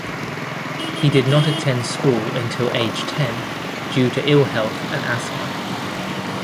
He did not attend school until age ten due to ill health and asthma.